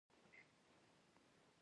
دوی له خپل ټول طاقت څخه کار واخیست.